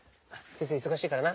先生忙しいからな。